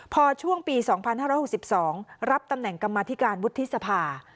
พอช่วงปี๒๕๖๒รับตำแหน่งกรรมธิการวุฒิสภา